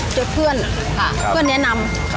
เจอเพื่อนค่ะเพื่อนแนะนำ